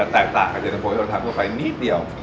แตกต่างจากเย็นตะโฟที่เราทานทั่วไปนิดเดียว